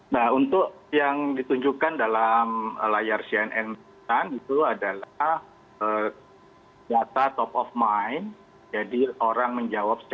nah untuk yang ditunjukkan dalam layar cnn itu adalah data top of mind